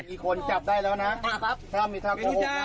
มีคนจับได้แล้วนะ